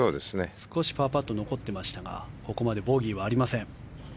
少しパーパットが残っていましたがここまでボギーはありません。